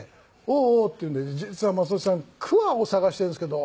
「おおおお！」って言うんで「実は雅俊さん桑を探してるんですけど」。